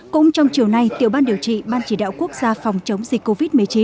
cũng trong chiều nay tiểu ban điều trị ban chỉ đạo quốc gia phòng chống dịch covid một mươi chín